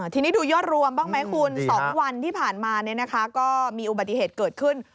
ทีนี้ดูยอดรวมบ้างไหมคุณ๒วันที่ผ่านมาก็มีอุบัติเหตุเกิดขึ้น